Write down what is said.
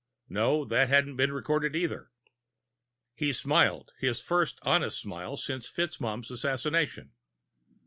No, that hadn't been recorded either. He smiled, his first honest smile since FitzMaugham's assassination.